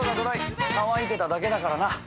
渇いてただけだからな」